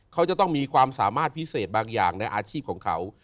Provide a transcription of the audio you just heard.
เขาจะต้องมีความสามารถพิเศษบางอย่างในอาชีพของเขา